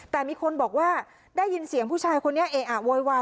แต่มีคนบอกว่าได้ยินเสียงผู้ชายคนนี้เออะโวยวาย